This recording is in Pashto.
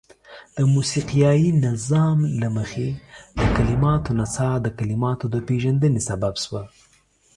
د موسيقايي نظام له مخې د کليماتو نڅاه د کليماتو د پيژندني سبب شوه.